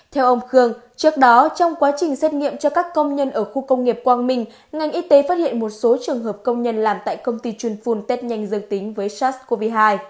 theo ông khương trước đó trong quá trình xét nghiệm cho các công nhân ở khu công nghiệp quang minh ngành y tế phát hiện một số trường hợp công nhân làm tại công ty chuyên phun tết nhanh dương tính với sars cov hai